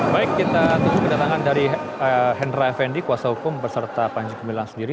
baik kita tunggu kedatangan dari hendra effendi kuasa hukum berserta panji gumilang sendiri